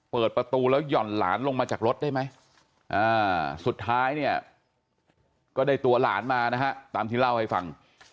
เปิดประตูแล้วหย่อนหลานลงมาจากรถได้ไหมสุดท้ายเนี่ยก็ได้ตัวหลานมานะฮะตามที่เล่าให้ฟัง